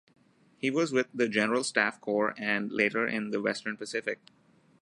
He was with the General Staff Corps and later in the Western Pacific.